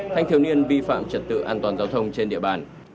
thanh thiếu niên vi phạm trật tự an toàn giao thông trên địa bàn